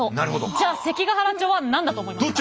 じゃあ関ケ原町は何だと思いますか？